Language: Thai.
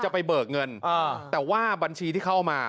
จะไปเบลิกเงินอ่ะแต่ว่าบัญชีที่เข้ามา